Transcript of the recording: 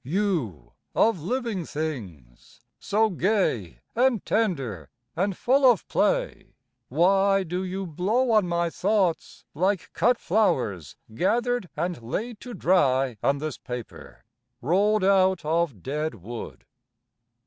You of living things, So gay and tender and full of play Why do you blow on my thoughts like cut flowers Gathered and laid to dry on this paper, rolled out of dead wood?